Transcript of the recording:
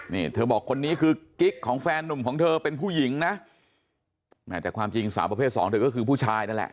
นี่เธอบอกคนนี้คือกิ๊กของแฟนนุ่มของเธอเป็นผู้หญิงนะแหมแต่ความจริงสาวประเภทสองเธอก็คือผู้ชายนั่นแหละ